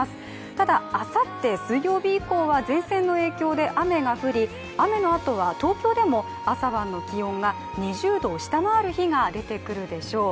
ただ、あさって水曜日以降は前線の影響で雨が降り雨のあとは東京でも朝晩の気温が２０度を下回る日が出てくるでしょう。